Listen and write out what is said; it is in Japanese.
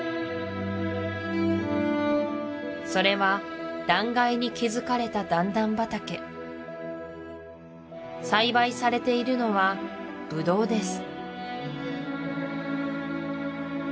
それは断崖に築かれた段々畑栽培されているのはブドウです